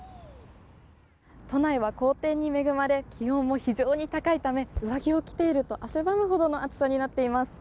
都内は好天に恵まれ気温も非常に高いため上着を着ていると汗ばむほどの暑さになっています。